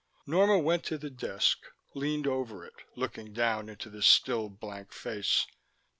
Norma went to the desk, leaned over it, looking down into the still, blank face.